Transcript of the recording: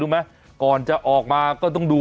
วันนี้จะเป็นวันนี้